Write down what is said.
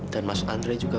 dan mas andre juga